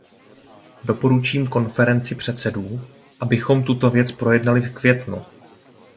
Doporučím Konferenci předsedů, abychom tuto věc projednali v květnu.